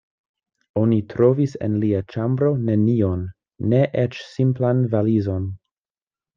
Oni trovis en lia ĉambro nenion, ne eĉ simplan valizon.